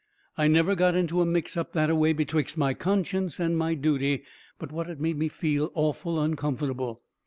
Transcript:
I never got into a mix up that a way betwixt my conscience and my duty but what it made me feel awful uncomfortable.